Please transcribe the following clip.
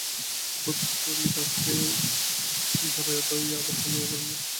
বোধ করি বাপকে জড়াইয়া ধরিয়া আবার ঘুমাইয়া পড়িল।